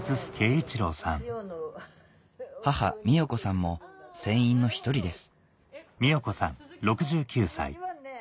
母美代子さんも船員の１人です・